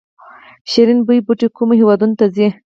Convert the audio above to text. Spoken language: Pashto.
شیرین بویې بوټی کومو هیوادونو ته ځي؟